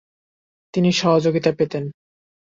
তিনি সহযোগিতা পেতেন ।